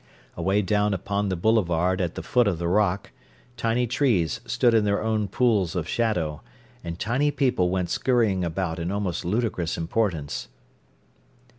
Away down upon the boulevard at the foot of the rock, tiny trees stood in their own pools of shadow, and tiny people went scurrying about in almost ludicrous importance.